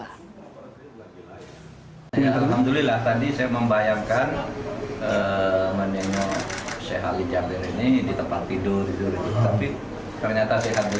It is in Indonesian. alhamdulillah tadi saya membayangkan menengok sheikh ali jabir ini